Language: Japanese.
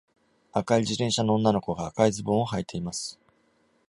赤い自転車の女の子が赤いズボンを履いています。